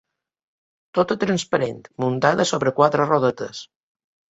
Tota transparent, muntada sobre quatre rodetes.